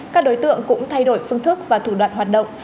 các đối tượng cũng thay đổi phương thức và thủ đoạn hoạt động